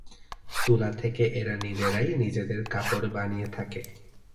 তুলা থেকে এরা নিজেরাই নিজেদের কাপড় বানিয়ে থাকে।